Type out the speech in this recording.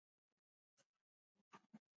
سپین ږیری د ژوند ستونزې په صبر سره حلوي